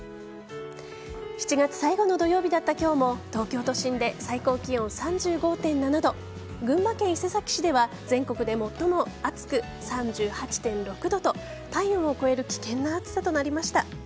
７月最後の土曜日だった今日も東京都心で最高気温３５．７度群馬県伊勢崎市では全国で最も暑く３８．６度と体温を超える危険な暑さになりました。